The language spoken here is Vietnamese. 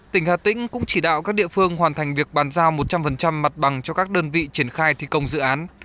tỉnh hà tĩnh cũng chỉ đạo các địa phương hoàn thành việc bàn giao một trăm linh mặt bằng cho các đơn vị triển khai thi công dự án